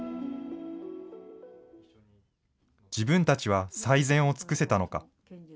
自分たちは最善を尽くせたのか。